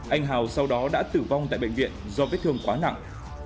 anh hào sau đó đã tử vong tại bệnh viện do vết thương quá nặng